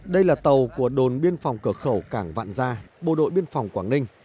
đây là tàu của đồn biên phòng cửa khẩu cảng vạn gia bộ đội biên phòng quảng ninh